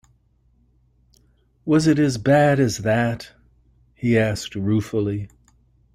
“Was it as bad as that?” he asked ruefully.